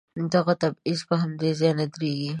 دغه تبعيض په همدې ځای نه درېږي.